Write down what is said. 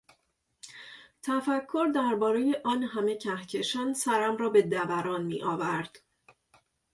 تفکر دربارهی آن همه کهکشان سرم را به دوران میآورد.